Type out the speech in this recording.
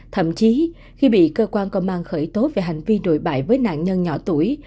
thậm chí khi bị cơ quan công an khởi tố về hành vi nội bại với nạn nhân nhỏ tuổi